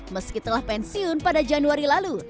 meski telah pensiun pada januari lalu